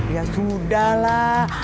ya sudah lah